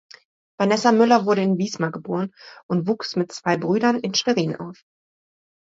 Vanessa Müller wurde in Wismar geboren und wuchs mit zwei Brüdern in Schwerin auf.